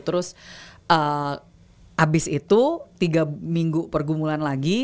terus habis itu tiga minggu pergumulan lagi